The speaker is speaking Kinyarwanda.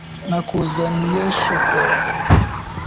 nakuzaniye shokora